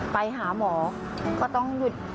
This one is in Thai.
ไปหาหมอก็ต้องหยุด